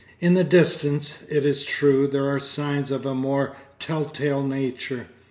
In the distance, it is true, there are signs of a more tell tale nature.